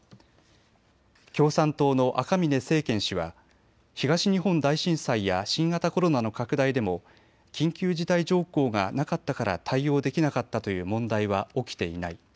共産党の赤嶺政賢氏は東日本大震災や新型コロナの拡大でも緊急事態条項がなかったから対応できなかったという問題は起きていない。